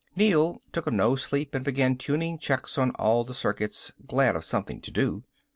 Neel took a no sleep and began tuning checks on all the circuits, glad of something to do.